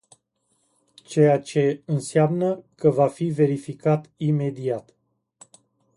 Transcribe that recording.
Ceea ce înseamnă că va fi verificat imediat.